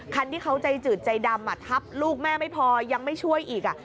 คันที่เขาใจจืดใจดำทับลูกแม่ไม่พอยังไม่ช่วยอีก